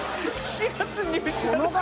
４月入社の